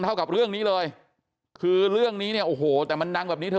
เท่ากับเรื่องนี้เลยคือเรื่องนี้เนี่ยโอ้โหแต่มันดังแบบนี้เธอ